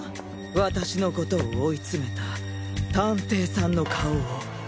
私のことを追い詰めた探偵さんの顔を。